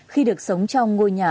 khi được sống trong ngôi nhà